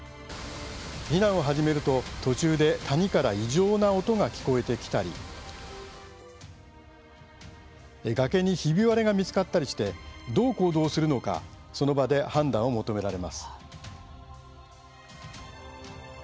避難を始めると、途中で谷から異常な音が聞こえてきたり崖にひび割れが見つかったりしてどう行動するのかその場で判断を求められます。